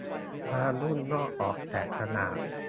บางรุ่นลอกออกแต่กระดาษ